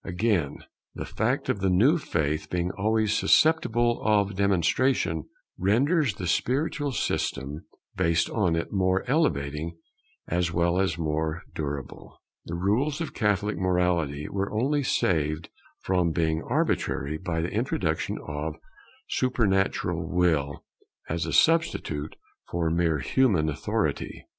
Again, the fact of the new faith being always susceptible of demonstration, renders the spiritual system based on it more elevating as well as more durable. The rules of Catholic morality were only saved from being arbitrary by the introduction of a supernatural Will as a substitute for mere human authority.